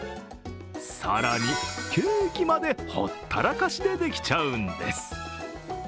更に、ケーキまでほったらかしでできちゃうんです。